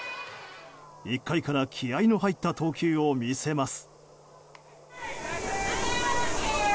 １回から気合の入った投球をみせます。